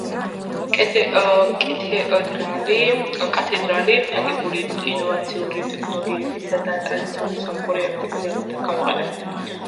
კათედრალი აგებული ინოვაციური ტექნოლოგიებისა და ტრადიციული სომხური არქიტექტურული ელემენტების გამოყენებით.